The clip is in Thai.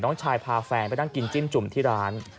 น้องชายพาแฟนไปนั่งกินจิ้มจุ่มที่ร้าน